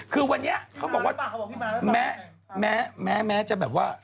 คือวันนี้เขาบอกว่าแม้จะแบบว่า